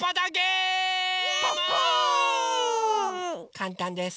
かんたんです。